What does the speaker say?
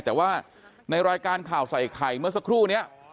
แต่ว่าในรายการข่าวใส่ไข่เมื่อสักครู่นี้